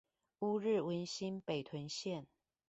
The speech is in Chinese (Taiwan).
烏日文心北屯線